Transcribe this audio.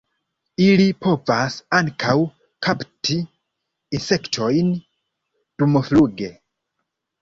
Ili povas ankaŭ kapti insektojn dumfluge.